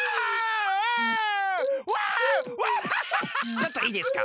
ちょっといいですか。